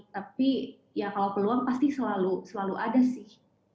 tapi ya kalau peluang pasti selalu selalu ada sih